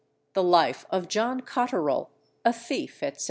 The Life of JOHN COTTERELL, a Thief, etc.